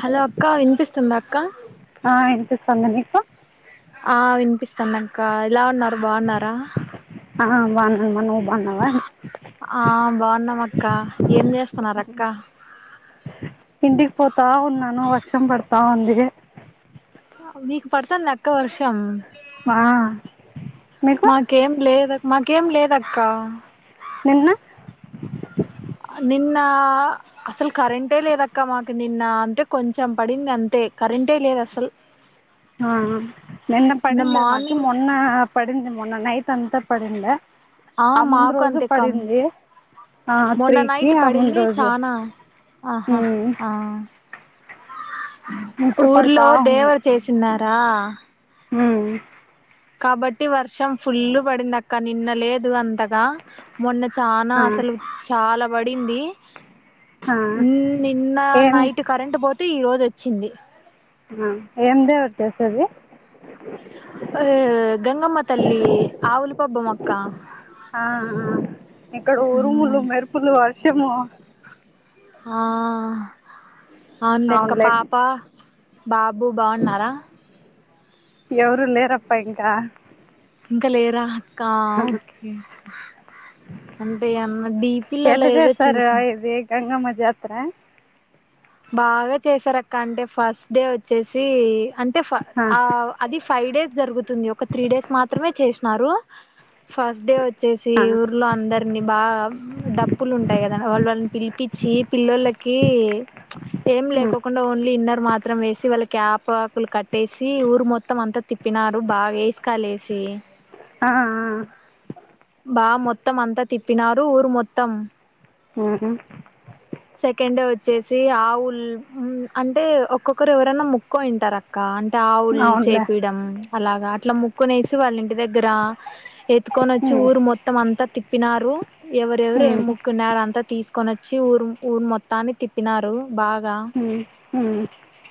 Hello అక్క వినిపిస్తుంద అక్క ఆ వినిపిస్తది నీకు ఆ వినిపిస్తాంది అక్క ఎల ఉన్నారు బాగున్నార ఆ బావున్నమ్మ నువ్ ఆ బావున్నాం అక్క ఏం చేస్తున్నారక్క ఇంటికి పోతా ఉన్నాను వర్షం పడతా ఉంది మీకు పడుతంద అక్క వర్షం ఆ మీకు [unintelligible] ఏం లేదు మాకేం లేదక్క నిన్న నిన్నా అసలు కరెంటే లేదక్క మాకు నిన్న అంటే కొంచెం పడింది అంతే కరెంటే లేదు అసలు ఆ ఆ నిన్న పడిందిలేదు మాకి మార్నింగ్ మొన్న పడింది మొన్న నైట్ అంత పడిం [unintelligible] ఆ ముందు మాకు రోజు అంతే కం పడింది ఆ మొన్న త్రీకి నైట్ ఆ ముందు పడింది రోజు చానా ఆహా ఆ ఇప్పుడు పడతా ఊర్లో దేవర చేసిన్నార ఉ కాబట్టి వర్షం ఫుల్లు పడింది అక్క నిన్న లేదు అంతగ మొన్న చాన ఆ అసలు చాల పడింది ఆ నిన్న ఏం నైట్ కరెంట్ పోతే ఈ రోజు వచ్చింది ఏమి దేవర చేసేది ఆ గంగమ్మ తల్లి ఆవులు పబ్బం అక్క ఆ ఇక్కడ ఉరుములు మెరుపులు వర్షము ఆ అవుంది అక్క అవునులే పాప బాబు బాగున్నార ఎవరు లేరప్ప ఇంక ఇంక లేరా ఆ అంటే అన్న డిపి లల్లో ఎట్లా ఏదో చేస్తారు చూసి ఇది గంగమ్మ జాతర బాగా చేసారు అక్క అంటే ఫస్ట్ డే వచ్చేసి అంటే ఫ ఆ అది ఫైవ్ డేస్ జరుగుతుంది ఒక త్రీ డేస్ మాత్రమే చేసినారు ఫస్ట్డే వచ్చేసి ఊర్లో అందరు వాని బాగ డప్పులు ఉంటాయి కద వాళ్ళని పిలిపిచ్చి పిల్లోల్లకి ఏం లేకోకుండా ఓన్లీ ఇన్నర్ మాత్రం వేసి వాళ్ళకి ఆపకులు కట్టేసి ఊరు మొత్తం అంతా తి తీప్పినారు బాగ వేసికలు లేసి ఆ ఆ బా మొత్తం అంతా తిప్పినారు ఊరు మొత్తం ఉహు సెకండ్ వచ్చేసి ఆవుల్ హు అంటే ఒక్కొక్కరు ఎవరైన ముక్కోనింటారు అక్ క్క అంటే ఆవులు చేపియడం అలాగా అట్లా ముక్కునే వేసి వాళ్ళ ఇంటి దగ్గర ఎ [unintelligible] నిచ్చి ఊరు మొత్తం అంత తి ప్పినారు ఎవరెవరు ఏ మొక్కునారు అంతా తీసుకొని వచ్చి ఊరు ఊరు మొత్తాన్ని తిప్పినారు బాగా హు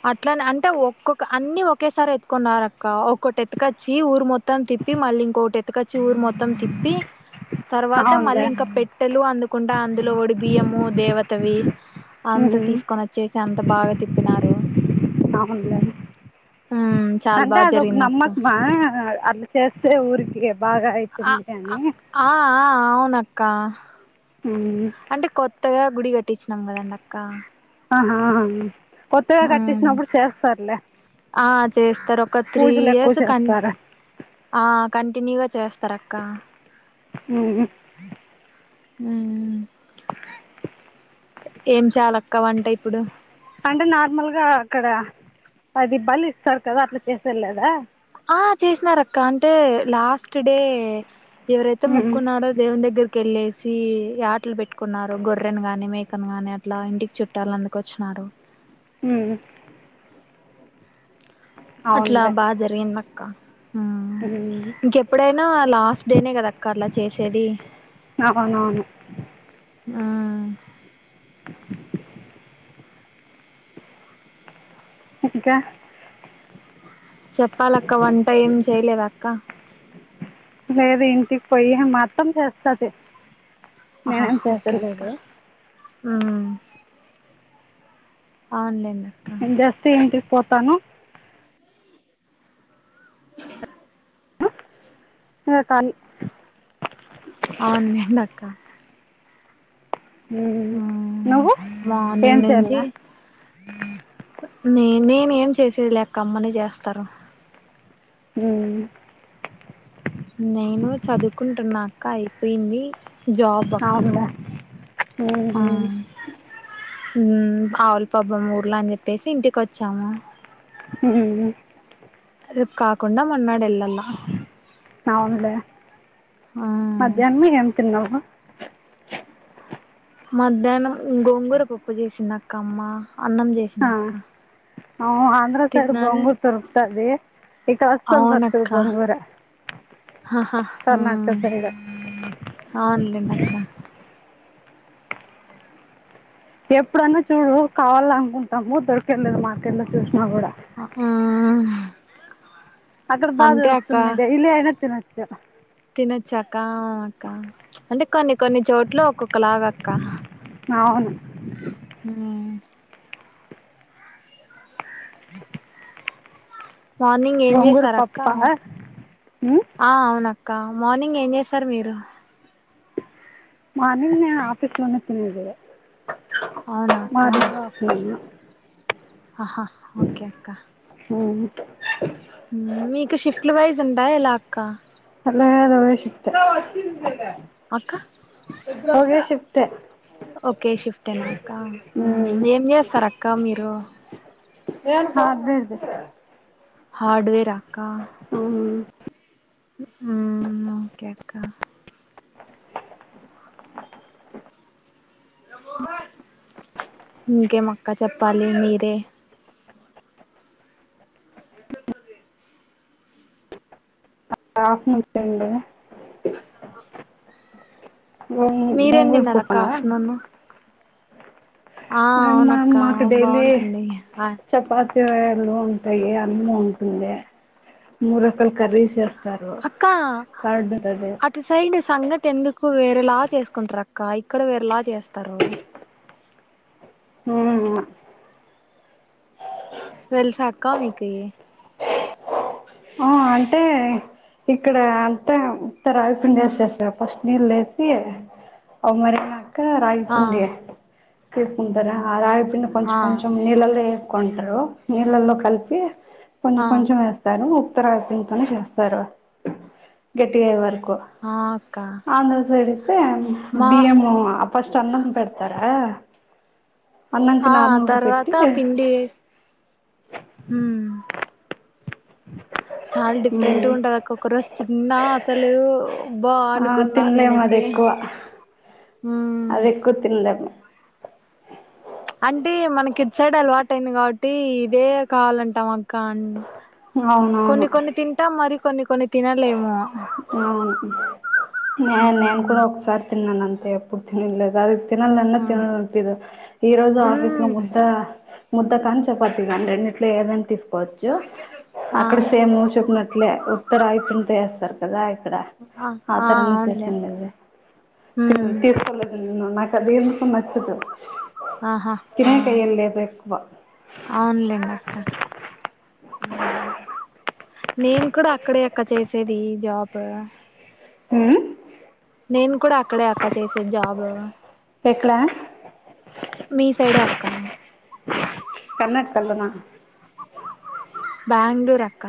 అట్లానే అంటే ఒక్కొక్క అన్ని ఒకేసారి ఎత్తుకున్నారు అక్క ఒకటి ఎతుకొచ్చి ఊరు మొత్తం మొత్తం తిప్పి మళ్ళీ ఇంకోకటి ఎత్తుకొచ్చి ఊరు మొత్తం తిప్పి తర్వాత అవునులే మళ్ళీ ఇంకా పెట్టెలు అందుకుంటా అందులో ఒడి బియ్యము దేవతవి అంత తీసుకొని వచ్చేసి అంత బాగా తిప్పినారు అవునులే ఉమ్ చాలా అంటే బాగా అది ఒక జరిగింది అక్క నమ్మకమా అ చేస్తే ఊరికి బాగా ఆ ఆయితుంది అని ఆ ఆ అవునక్క హూ అంటే కొత్తగా గుడి కట్టించినం కదండి అక్క ఆహాహా కొత్తగా ఉమ్ కట్టిసినప్పుడు చేస్తారులే ఆ చేస్తరు ఒక త్రీ పూజలు ఎక్కువ ఇయర్స్ కన్ చేస్తారు ఆ కంటిన్యూగా చేస్తారు అక్క ఉ హు ఏం చేయాలక్క వంట ఇప్పుడు అంటే నార్మల్గా అక్కడ పది బలి ఇస్తారూ కదా అట్లా చేసేలేరా ఆ చేసినారక్క అంటే లాస్ట్ డే ఎవరైతే మొక్కున్నారో దేవుని దగ్గర కెళ్ళేసి యాటలు పెట్టుకున్నారు గొర్రెని కాని మేకను గాని అట్లా ఇంటికి చుట్టాలు అందుకు వచ్చిన్నారు హు అట్లా అవునులే బాగా జరిగింది అక్క ఇంకెప్పుడైనా లాస్ట్ డేనే కదా అక్క అట్లా చేసేది అవునవును హు ఇంకా చెప్పాలక్క వంట ఏంచేయలేదా అక్క లేదు ఇంటికి పోయి మాఅత్తమ్మ చేస్తది నేనేం చేసలేదు ఆ అవునులేం నేన్ జస్ట ఇంటి కి పోతాను సరే కానీ అవును లేన్నక్క ఉమ్. ఆ నువ్వు ఏం మార్నింగ్ నుంచి చేయాలా నేనే నే ఏం చేసేది లేఅక్క అమ్మనే చేస్తరు హు నేను చదువుకుంటున్నాక్క అయిపోయింది జాబ్ బక్కా అవునులే ఉమ్. ఆవులు పాపం ఊర్లో అని చెప్పేసి ఇంటికి వచ్చాము ఉ రేపు కాకుండా మన్నాడు ఎళ్లాలా అవునులే ఆ మధ్యాహ్నం ఏం తిన్నావు మధ్యాహ్నం గోంగూర పప్పు చేసిందక్కా అమ్మ అన్నం చేసి అ ఆంధ్ర సైడ్ తిన్నాను గోంగూర దొరుకుతాది ఇటు అసలు దొరకదు అవునక్క గోంగూర ఆహా కర్ణాటక సైడ ఆ వెళ్ళిండు అక్క ఎప్పుడన్నా చూడు కావాల అనుకుంటాము దొరికేది లేదు మార్కెట్ లో చూసినా కూడా హు హ్ అక్కడ బాగ దొరుకుతుంది డైలీ అయిన తినొచ్చు తినొచ్చా అక్క అక్క అంటే కొన్ని కొన్ని చోట్ల ఒక్కొక్కలాగ అక్క అవును హు అ [unintelligible] మార్నింగ్ ఏం చేసార్ అక్క పప్ప ఉమ్, ఆ అవునక్క మార్నింగ్ ఏం చేశారు మీరు మార్నింగ్ నేను ఆఫీస్ లోనే తినేది అవునా మార్నింగ్ ఆఫ్టర్నూన్ అహా ఓకే అక్క ఉ మీకు షిఫ్ట్లు వైజ్ ఉంటాయ్ ఎలా అక్క అట్ల కాదు ఒకే షిఫ్ట్ అక్క ఒకే షిఫ్ట్ ఓకే షిఫ్టేన అక్క ఏం చేస్తారు అక్క మీరు నేన్ హార్డ్వేర్ ది హార్డ్వేర్ అక్క ఉహు హు ఓకే అక్క ఇంకేం అక్క చెప్పాలి మీరే [inaudible] ఆఫ్ నుంచ అండి ఏందీ మీరేం భంగిరి పప్పు తిన్నారక్క ఆ ఆఫ్టర్నూన్ ఆ అవునక్క బావుంటుంది చపాతీ ఎన్న ఉంటాయి అన్న ఉంటుంది మూడు రకాల కర్రీ చేస్ అక్క అట్ అటు సైడ్ సంఘట ఎందుకు వేరేలా చేసుకుంటారు అక్క ఇక్కడ వేరేలా చేస్తారు హు తెల్సా అక్కా మీకు ఈ హా అంటే ఇక్కడ అంతా ఉత్త రావి పిండి వేసి చేస్తారు ఫస్ట్ నీళ్ళు వేసి అవి మరిగి నాకా రాగి ఆ పిండి తీసుకుంటారు ఆ రావిపిండి కొంచెం ఆ కొంచెం నీళ్ళల్లో వేసుకుంటారు నీళ్ళల్లో కలిపి ఆ కొంచెం కొంచెం వేస్తారు ఉత్త రాగి పిండితోనే చేస్తారు గట్టిగ అయ్యే వరకు ఆ అక్క ఆంధ్ర సైడి ఇస్తే మా బియ్యం అ ఫస్ట్ అన్నం పెడతార హా తర్వాత పిండి వేసి హమ్ చాల డిఫరెంట్గా మ్, ఉంటది ఒక్క రోజు తిన్న అసలు అబ్బ ఆ అనుకున్నా తినలేము అది నేనైతే ఎక్కువ హు అది ఎక్కువ తిన్లేం అంటే మనకి ఇటు సైడ్ అలవాటు అయింది కాబట్టి ఇదే కావాలంటాం అక్క అ అవునవును కొన్ని కొన్ని తింటాం మరి కొన్ని కొన్ని తినలేము అవును నే నేను కూడా హ్మ్ ఒకసారి తిన్నాను అంతే ఎప్పుడు తినిలేదు అది తినాలన్న హ్మ్ తిన ఈ రోజు ఆఫీస్ లో హ్మ్ ముద్ద ముద్ద కాని చెపాతి కానీ రెండింటిలో ఏదని తీసుకు చ్చు ఆ అక్కడ సేమ్ చెప్పినట్లే ఉత్తరయి పిన్ట్ ఏస్తారు కదా ఇక్కడ ఆ ఆ ఆతరంగా అవునులే చేసింది అది తిని ఉమ్ తీసుకోలేదు నేను నాకు అది ఎందుకో నచ్చదు ఆహా తినేటియి ఏం లేవు ఎక్కువ అవును లెండి అక్క నేను కూడా అక్కడే అక్క చేసేది జాబ్ ఉహు నేను కూడా అక్కడే అక్క చేసేది జాబ్ ఎక్కడా మీ సైడే అక్క కర్ణాటక లోన బెంగుళూరు అక్క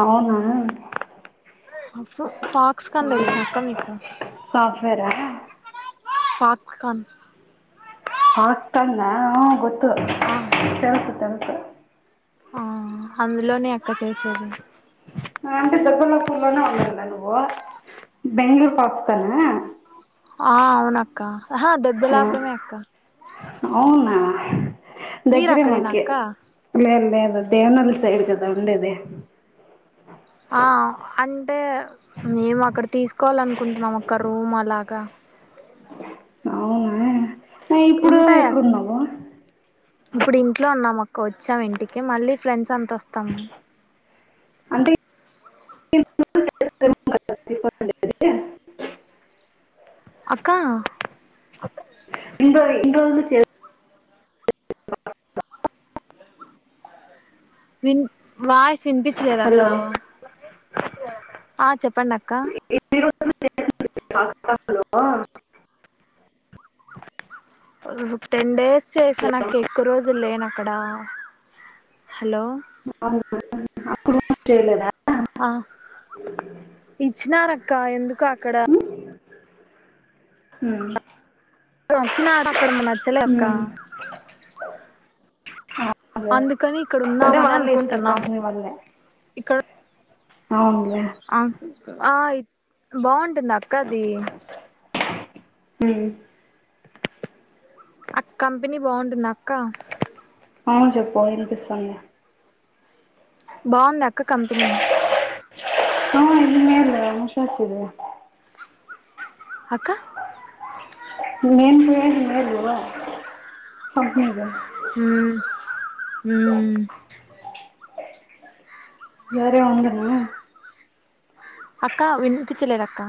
అవునా ఫ ఫాక్స్ ఖాన్ తెలుసా అక్క నీకు ఫత్కన్ ఫాత్ఖన్ ఆ ఆ గోత్ ఆ తెలుసు తెలుసు ఆ అందులోనే అక్క చేసేది అంటే దుర్బల్పూర్ లోనే ఉంటున్నవా నువ్వు బెంగళూరు పక్కనా ఆ అవున అక్క ఆహే దొబ్బెళపురమే అక్క అవునా మీరు దగ్గరే అక్కడేనా మాకి అక్క లే లేదు దేవనలు సైడ్ గదా ఉండేది ఆ అంటే మేము అక్కడ తీసుకోవాలనుకుంటున్నాం అక్క రూమ్ అలాగా అవునా ఇప్పుడు ఉంటాయి అక్ ఎక్కడున్నావు ఇప్పుడు ఇంట్లో ఉన్నాము అక్క వచ్చా ఇంటికి మళ్ళీ ఫ్రెండ్స్ అంత వస్తాము అంటే [unintelligible] ఇన్ని అక్కా అక్క ఎన్ని ఎన్ని రోజులకు చేసి విన్ వాయిస్ వినిపించలేదు అక్క హలో ఆ చెప్పండి అక్క లో [unintelligible] ఉహు టెన్ డేస్ చేసాను అక్క ఎక్కువ రోజులు లేను అక్కడ హలో అవు అప్పుడు చేయలేద [unintelligible] ఆ ఇచ్చినారక్క ఎందుకు అక్కడ హు వచ్చిన అక్కడ నచ్చలే అక్క అవునులే అందుకని ఇక్కడ అదే ఉందామని వాళ్ళే ఇస్తారు అనుకుంటున్నాము కంపెనీ ఇక్కడ అవును లే ఆ ఆ బాగుంటుందా అక్క అది హు ఆ కంపెనీ బాగుంటుంది అక్క అ చెప్పు వినిపిస్తోంది బాగుందక్క కంపెనీ ఆ ఇ ఎందే ఉషోచ్చింది అక్కా నేను పోయేది ఇదే బ్రో కంపెనీకి ఉ ఉమ్ సరే ఉండని అక్కా వినిపించలేద్ అక్కా